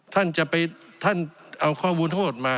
ท่านจะไปท่านเอาความวุลโฆษณ์มา